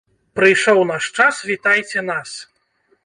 Прыйшоў наш час, вітайце нас!